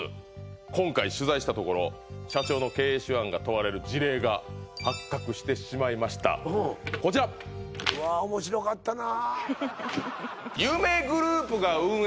今回取材したところ社長の経営手腕が問われる事例が発覚してしまいましたこちらうわ面白かったなあ